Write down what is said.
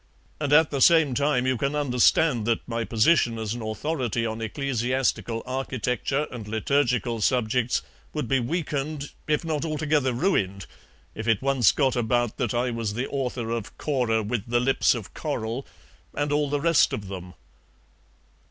And at the same time you can understand that my position as an authority on ecclesiastical architecture and liturgical subjects would be weakened, if not altogether ruined, if it once got about that I was the author of 'Cora with the lips of coral' and all the rest of them."